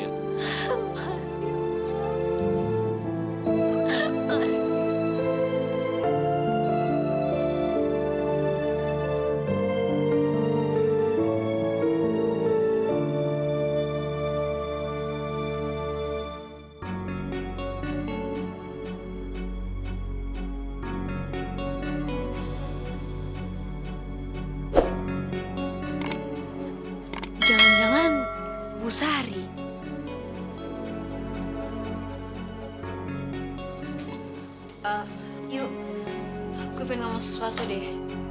yuk gue pengen ngomong sesuatu deh